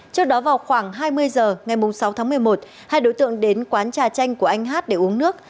trước đó vào khoảng hai mươi h ngày sáu tháng một mươi một hai đối tượng đến quán trà chanh của anh hát để uống nước